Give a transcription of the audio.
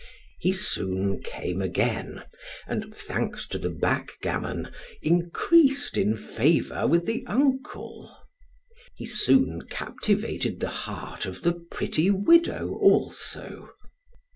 He soon came again, and, thanks to the backgammon, increased in favor with the uncle. He soon captivated the heart of the pretty widow, also.